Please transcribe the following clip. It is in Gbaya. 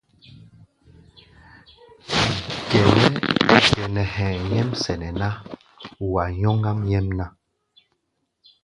Gɛnɛ hɛ̧ɛ̧ nyɛ́m sɛnɛ ná, wa nyɔŋáʼm nyɛ́mná.